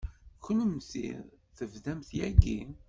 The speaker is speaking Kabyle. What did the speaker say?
Kennemti tebdamt yagi.